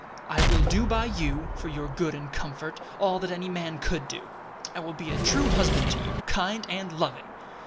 I will do by you, for your good and comfort, all that any man could do. I will be a true husband to you, kind and loving.